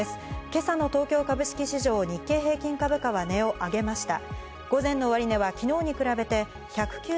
今朝の東京株式市場、日経平均株価は値を上げました。